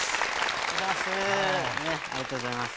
ありがとうございます